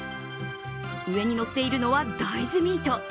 上に乗っているのは大豆ミート。